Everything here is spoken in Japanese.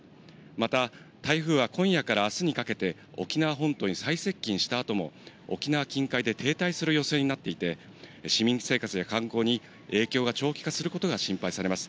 また、台風は今夜からあすにかけて、沖縄本島に最接近したあとも、沖縄近海で停滞する予想になっていて、市民生活や観光に影響が長期化することが心配されます。